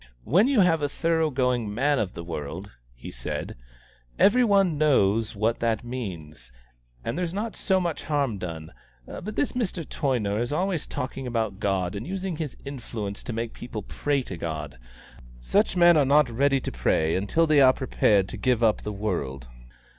"When you have a thorough going man of the world," he said, "every one knows what that means, and there's not so much harm done. But this Mr. Toyner is always talking about God, and using his influence to make people pray to God. Such men are not ready to pray until they are prepared to give up the world!